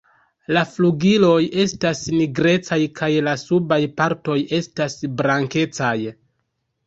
La flugiloj estas nigrecaj kaj la subaj partoj estas blankecaj.